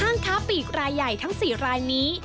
ค้าปีกรายใหญ่ทั้ง๔รายนี้